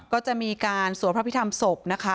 ก็จะมีการสวดพระพิธรรมศพนะคะ